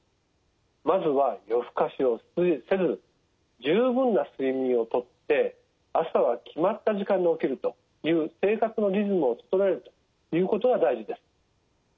まずは夜更かしをせず十分な睡眠をとって朝は決まった時間に起きるという生活のリズムを整えるということが大事です。